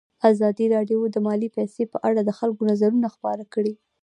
ازادي راډیو د مالي پالیسي په اړه د خلکو نظرونه خپاره کړي.